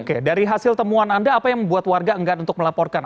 oke dari hasil temuan anda apa yang membuat warga enggan untuk melaporkan